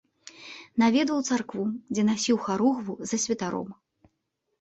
Наведваў царкву, дзе насіў харугву за святаром.